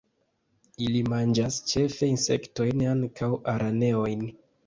Ili manĝas ĉefe insektojn, ankaŭ araneojn.